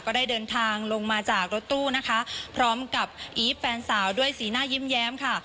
ก็ได้เดินทางลงมาจากรถตู้นะคะพร้อมกับอีฟแฟนสาวด้วยสีหน้ายิ้มแย้มค่ะ